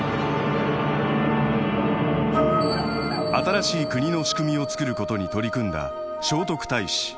新しい国の仕組みを作ることに取り組んだ聖徳太子。